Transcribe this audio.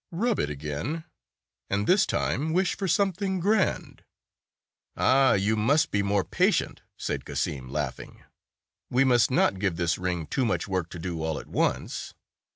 Rub it again, and this time wish for something grand." "Ah, you must be more patient," said Cassim, laughing. "We must not give this ring too much work to do all at once.